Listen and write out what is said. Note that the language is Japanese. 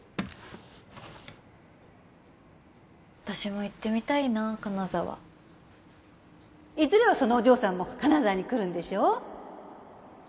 私も行ってみたいな金沢いずれはそのお嬢さんも金沢に来るんでしょ？